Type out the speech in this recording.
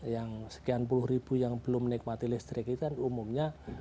yang sekian puluh ribu yang belum menikmati listrik itu kan umumnya